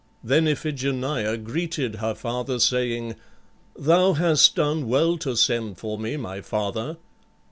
Then Iphigenia greeted her father, saying, "Thou hast done well to send for me, my father."